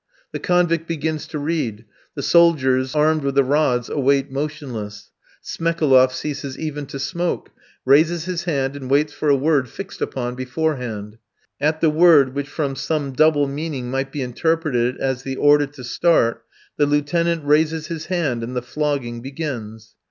The convict begins to read; the soldiers armed with the rods await motionless. Smekaloff ceases even to smoke, raises his hand, and waits for a word fixed upon beforehand. At the word, which from some double meaning might be interpreted as the order to start, the Lieutenant raises his hand, and the flogging begins.